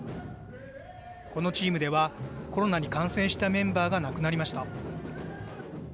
このチームでは、コロナに感染したメンバーが亡くなりました。